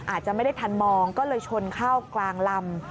อาจจะไม่ได้ทันมองก็เลยชนเข้ากลางลำ